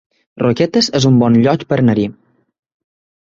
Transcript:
Roquetes es un bon lloc per anar-hi